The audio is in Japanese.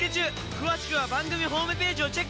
詳しくは番組ホームページをチェック！